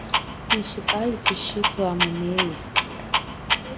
Yishi kali thushithu amumeya.